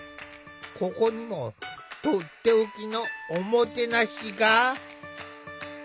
ここにもとっておきの“おもてなし”が。